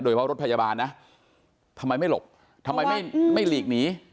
เพราะรถพยาบาลนะทำไมไม่หลบทำไมไม่หลีกหนี